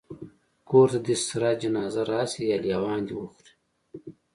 کور ته دي سره جنازه راسي یا لېوان دي وخوري